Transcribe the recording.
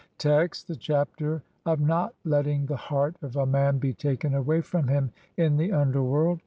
Text : (i) The Chapter of not letting the heart of A MAN BE TAKEN AWAY FROM HIM IN THE UNDERWORLD.